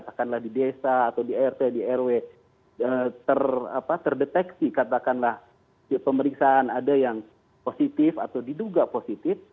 katakanlah di desa atau di rt di rw terdeteksi katakanlah pemeriksaan ada yang positif atau diduga positif